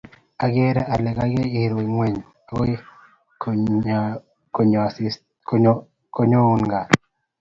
Akere ale kaikai iru ng'weny akoi konyoun gaat